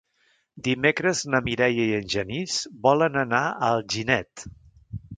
Dimecres na Mireia i en Genís volen anar a Alginet.